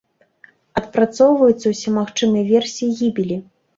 Адпрацоўваюцца ўсе магчымыя версіі гібелі.